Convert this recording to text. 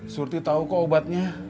surti tau kok obatnya